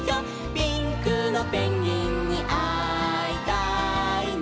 「ピンクのペンギンにあいたいな」